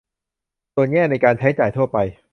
ส่วนในแง่การใช้จ่ายทั่วไป